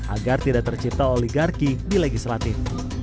agar tidak tercipta oligarki di legislatif